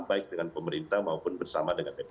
baik dengan pemerintah maupun bersama dengan pp